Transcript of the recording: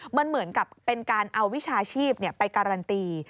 มันเหมือนกับเป็นการเอาวิชาชีพไปการันตี